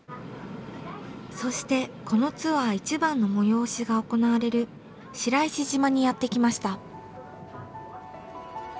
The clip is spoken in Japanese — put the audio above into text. そしてこのツアー一番の催しが行われる白石島にやって来ました。